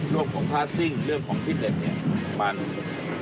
เรื่องของพาร์ทซิ่งเรื่องของคิดเล่นนี่